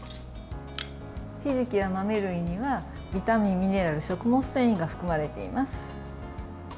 ひじきや豆類にはビタミン、ミネラル食物繊維が含まれています。